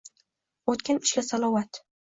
О’tgan ishga salovat!